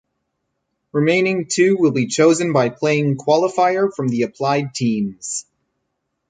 Remaining two will be chosen by playing qualifier from the applied teams.